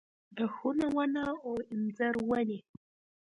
د ښونه ونه او انځر ونې